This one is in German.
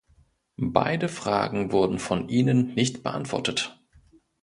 Beide Fragen wurden von Ihnen nicht beantwortet.